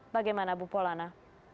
bagaimana bu polana